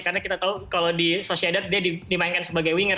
karena kita tahu kalau di sociedad dia dimainkan sebagai winger